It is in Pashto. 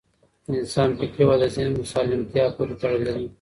د انسان فکري وده د ذهن سالمتیا پورې تړلې ده.